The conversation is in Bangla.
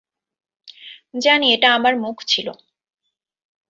জানি, এটা আমার মুখ ছিল!